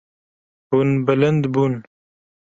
Hûn bilind bûn.